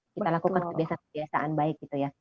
kita lakukan kebiasaan kebiasaan baik gitu ya